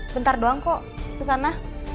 bentar doang kok kesana